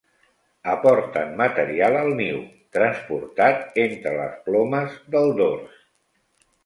Aporten material al niu, transportat entre les plomes del dors.